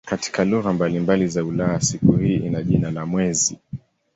Katika lugha mbalimbali za Ulaya siku hii ina jina la "mwezi".